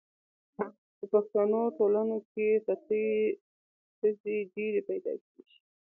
په پښتنو ټولنو کي ستۍ ښځي ډیري پیدا کیږي